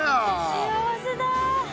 幸せだ。